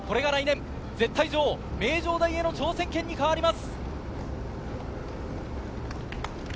これが来年、絶対女王・名城大への挑戦権に変わります。